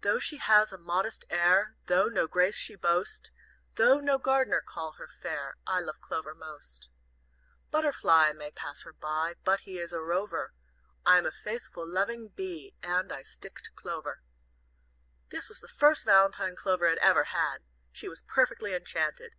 "Though she has a modest air, Though no grace she boast, Though no gardener call her fair, I love Clover most. "Butterfly may pass her by, He is but a rover, I'm a faithful, loving Bee And I stick to Clover." This was the first valentine Clover had ever had. She was perfectly enchanted.